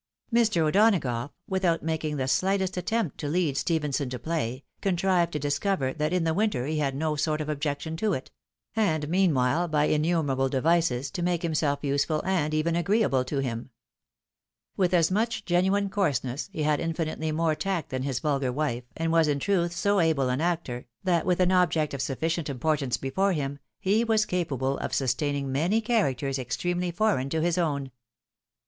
Mr. O'Donagough, without making the slightest attempt to lead Stephenson to play, contrived to discover that in the winter he had no sort of objection to it ; and, meanwhile, by innu merable devices to make liimself useful and even agreeable to him. With as much genuine coarseness, he had infinitely more tact than his vulgar wife', and was, in truth, so able an actor, that with an object of sufficient importance before him, he was capable of sustaining many characters extremely foreign to his own.